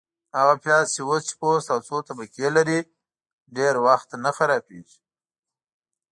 - هغه پیاز چي وچ پوست او څو طبقې لري، ډېر وخت نه خرابیږي.